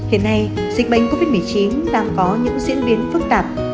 hiện nay dịch bệnh covid một mươi chín đang có những diễn biến phức tạp